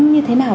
như thế nào